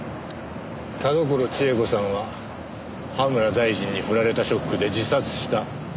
田所千枝子さんは葉村大臣に振られたショックで自殺した。